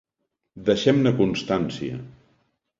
Deixem-ne constància.